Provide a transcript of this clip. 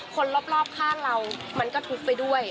คนรอบข้างเรามันก็ทุกข์ไปด้วย